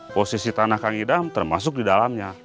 posisi tanah kang idam termasuk di dalamnya